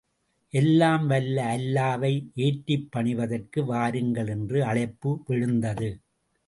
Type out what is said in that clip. எல்லாம் வல்ல அல்லாவை ஏற்றிப் பணிவதற்கு வாருங்கள்! என்ற அழைப்பு விழுந்தது.